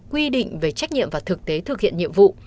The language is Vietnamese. quy định về trách nhiệm và thực tế thực hiện nhiệm vụ